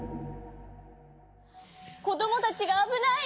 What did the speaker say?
こどもたちがあぶない！